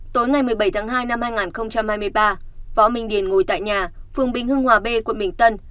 tối ngày một mươi bảy tháng hai năm hai nghìn hai mươi ba võ minh điền ngồi tại nhà phường bình hưng hòa b quận bình tân